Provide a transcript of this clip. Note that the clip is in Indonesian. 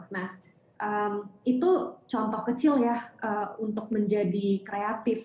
nah itu contoh kecil ya untuk menjadi kreatif